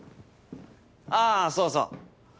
ああそうそう。